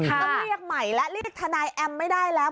ต้องเรียกใหม่และเรียกทนายแอมไม่ได้แล้ว